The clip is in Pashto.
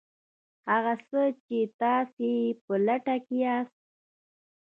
هغه څه چې تاسې یې په لټه کې یاست